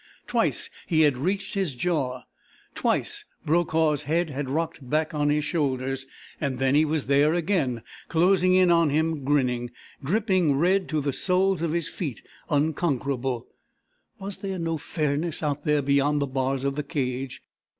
Twice he had reached his jaw, twice Brokaw's head had rocked back on his shoulders and then he was there again, closing in on him, grinning, dripping red to the soles of his feet, unconquerable. Was there no fairness out there beyond the bars of the cage?